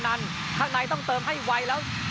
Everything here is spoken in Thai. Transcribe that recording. เครื่องข้างในต้องเติมให้ไวแล้ว